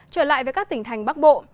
trở lại với các tỉnh thành bắc bộ